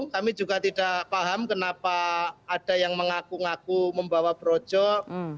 kami juga tidak paham kenapa ada yang mengaku ngaku membawa projok